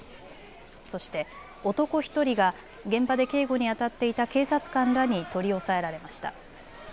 そして男１人が現場で警護にあたっていた警察官らに取り押さえられました。